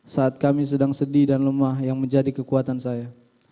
saat kami sedang sedih dan lemah yang menjadi kekuatan saya